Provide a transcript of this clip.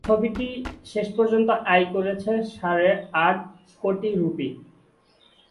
ছবিটি শেষ পর্যন্ত আয় করেছে সাড়ে আট কোটি রূপী।